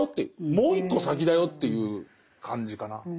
もう一個先だよという感じかな。